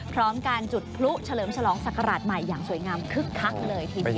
พร้อมการจุดพลุเฉลิมฉลองศักราชใหม่อย่างสวยงามคึกคักเลยทีเดียว